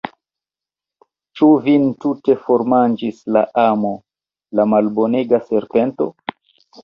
Ĉu vin tute formanĝis la amo, la malbonega serpento?